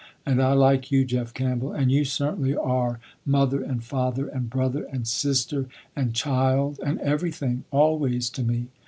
"And I like you, Jeff Campbell, and you certainly are mother, and father, and brother, and sister, and child and everything, always to me.